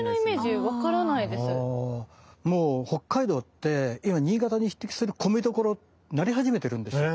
もう北海道って今新潟に匹敵する米どころなり始めてるんですよ。